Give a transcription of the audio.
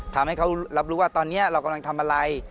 ทำให้เขารับรู้ว่าตอนนี้เรากำลังทำอะไร